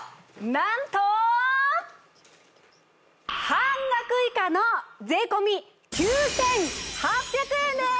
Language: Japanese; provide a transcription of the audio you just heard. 半額以下の税込９８００円です！